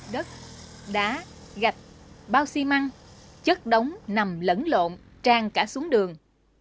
đất đá gạch bao xi măng chất đóng nằm lẫn lộn trang cả xuống đường